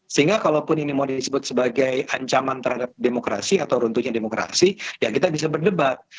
sehingga kalaupun ini mau disebut sebagai ancaman terhadap demokrasi atau runtuhnya demokrasi ya kita bisa berdebat